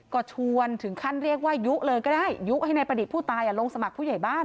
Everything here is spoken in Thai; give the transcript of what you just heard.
ก็ชวนถึงขั้นเรียกว่ายุเลยก็ได้ยุให้นายประดิษฐ์ผู้ตายลงสมัครผู้ใหญ่บ้าน